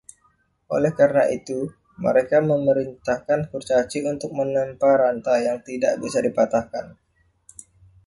Oleh karena itu, mereka memerintahkan kurcaci untuk menempa rantai yang tidak bisa dipatahkan.